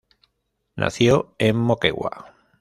Nació en Moquegua.